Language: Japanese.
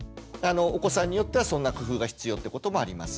お子さんによってはそんな工夫が必要ってこともあります。